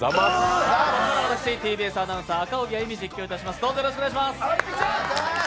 ここからは私、ＴＢＳアナウンサー・赤荻歩実況いたします。